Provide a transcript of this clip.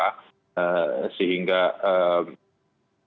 sehingga pressure dari negara negara eropa pun juga masih akan berlangsung